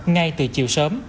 ngay từ chiều sớm